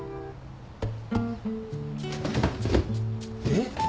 えっ？